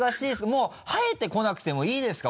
もう生えてこなくてもいいですか？